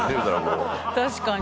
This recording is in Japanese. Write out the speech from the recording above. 確かに。